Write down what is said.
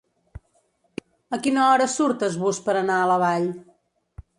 A quina hora surt es bus per anar a La Vall?